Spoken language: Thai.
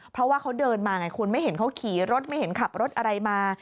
เพราะว่าเขาเดินมาไงคุณไม่เห็นเขาขี่รถไม่เห็นขับรถอะไรมา